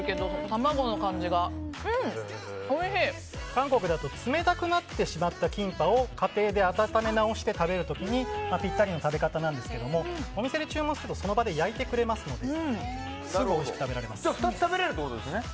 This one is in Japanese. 韓国だと冷たくなってしまったキンパを家庭で温め直して食べる時にピッタリの食べ方なんですけどもお店で注文するとその場で焼いてくれますので２つ食べられるということですね。